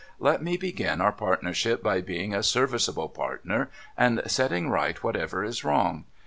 Let me begin our partnership by being a serviceable partner, and setting right whatever is wrong.